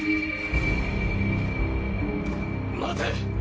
待て！